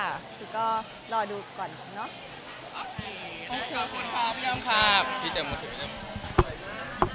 แล้วก็ลองดูก่อนเนอะ